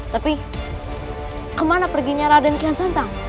tapi kemana perginya raden kiancentang